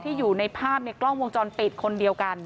อยู่ในภาพในกล้องวงจรปิดคนเดียวกัน